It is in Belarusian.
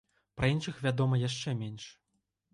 Пра іншых вядома яшчэ менш.